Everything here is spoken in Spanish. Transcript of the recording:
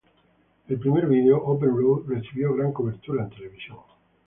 El primer vídeo: "Open Road" recibió gran cobertura en televisión.